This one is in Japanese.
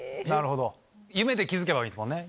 夢で気付けばいいですもんね